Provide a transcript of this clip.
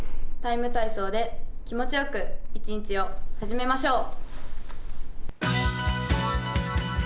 ＴＩＭＥ，体操」で気持ちよく一日を始めましょう。